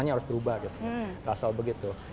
harus berubah rasal begitu